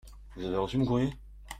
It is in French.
Vous avez reçu mon courrier ?